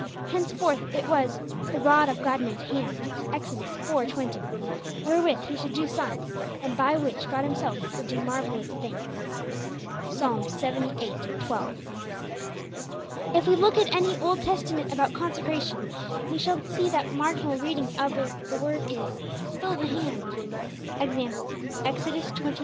Henceforth it was 'the rod of God in his hand' (Ex. iv. 20), wherewith he should do signs, and by which God Himself would do 'marvellous things' (Ps. lxxviii. 12). If we look at any Old Testament text about consecration, we shall see that the marginal reading of the word is, 'fill the hand' (e. g. Ex. xxviii.